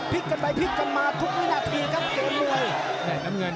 พลิกกันไปพลิกกันมาทุกนิดนาทีครับเกมมวย